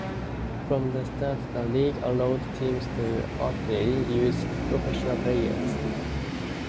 From the start, the league allowed teams to openly use professional players.